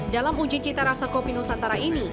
dalam uji cita rasa kopi nusantara ini